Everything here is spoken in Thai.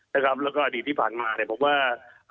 แล้วก็อดีตที่ผ่านมาเนี่ยผมว่า